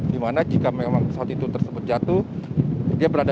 dimana jika memang pesawat itu tersebut jatuh dia berada di dalam ekor pesawat